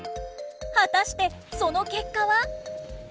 果たしてその結果は？